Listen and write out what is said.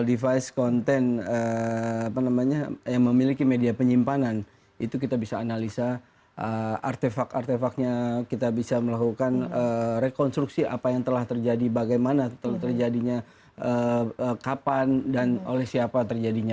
device konten apa namanya yang memiliki media penyimpanan itu kita bisa analisa artefak artefaknya kita bisa melakukan rekonstruksi apa yang telah terjadi bagaimana telah terjadinya kapan dan oleh siapa terjadinya